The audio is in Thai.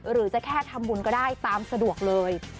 หรือจะแค่ทำบุญก็ได้ตามสะดวกเลย